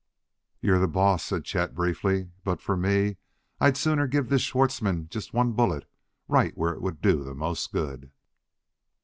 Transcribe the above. "You're the boss," said Chet briefly; "but, for me, I'd sooner give this Schwartzmann just one bullet right where it would do the most good.